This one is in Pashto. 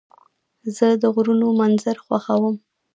زه د غرونو منظر خوښوم.